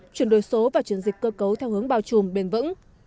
chuyển đổi số và chuyển dịch cơ cấu theo hướng bao trùm bền vững